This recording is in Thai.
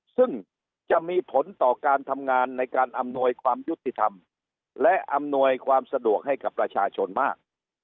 ซึ่งจะมีผลต่อการทำงานในการอำนวยความยุติธรรมและอำนวยความสะดวกให้กับประชาชนมาก